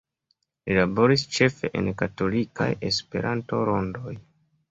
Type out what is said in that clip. Li laboris ĉefe en katolikaj Esperanto-rondoj.